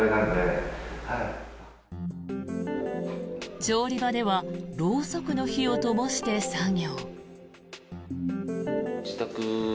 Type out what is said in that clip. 調理場ではろうそくの火をともして作業。